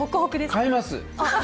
買います。